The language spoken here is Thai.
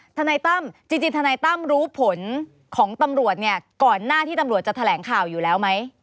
ทนายตั้มจริงทนายตั้มรู้ผลของตำรวจเนี่ยก่อนหน้าที่ตำรวจจะแถลงข่าวอยู่แล้วไหม